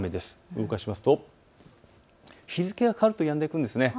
動かしますと日付が変わるとやんでくるんです。